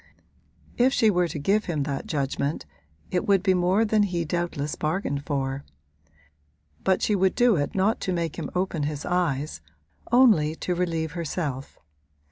If she were to give him that judgment it would be more than he doubtless bargained for; but she would do it not to make him open his eyes only to relieve herself.